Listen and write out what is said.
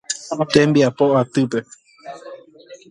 Tembiapo atýpe.